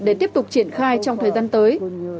để tiếp tục triển khai trong thời gian tới